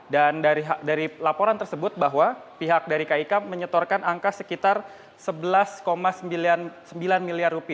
dan dari laporan tersebut bahwa pihak dari kik menyetorkan angka sekitar rp sebelas sembilan miliar